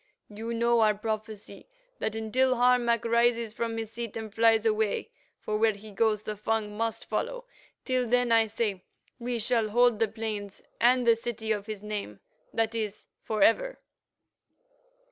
"You know our prophecy—that until Harmac rises from his seat and flies away, for where he goes, the Fung must follow—till then, I say, we shall hold the plains and the city of his name—that is, for ever."